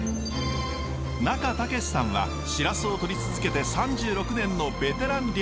中武司さんはシラスをとり続けて３６年のベテラン漁師。